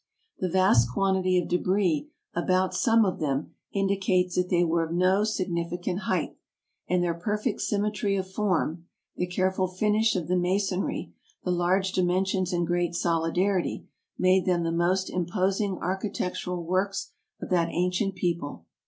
The vast quantity of debris about some of them indicates that they were of no significant height, and their perfect symmetry of form, the careful finish of the masonry, the large dimensions and great solidity, made them the most imposing architectural works of that ancient people.